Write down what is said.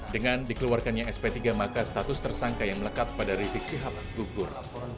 dengan dikeluarkannya sp tiga maka status tersangka yang melekat pada rizik sihab gugur